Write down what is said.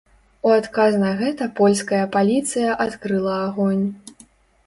У адказ на гэта польская паліцыя адкрыла агонь.